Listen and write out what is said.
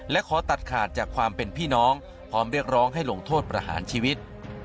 และขอตัดขาดจากความเป็นพี่น้องพร้อมเรียกร้องให้ลงโทษประหารชีวิต